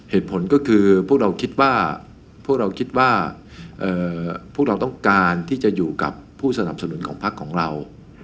เหตุผลก็คือพวกเราคิดว่าพวกเราคิดว่าพวกเราต้องการที่จะอยู่กับผู้สนับสนุนของพักของเรา